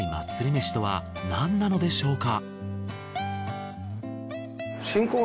めしとは何なのでしょうか？